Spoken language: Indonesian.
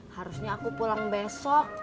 harusnya aku pulang besok